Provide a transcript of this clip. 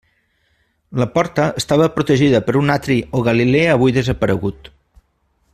La porta estava protegida per un atri o galilea avui desaparegut.